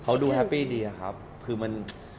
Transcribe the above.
เขาดูแฮปปี้ดีอะครับคือมัน